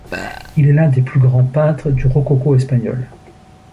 Il est l'un des plus grands peintres du rococo espagnol.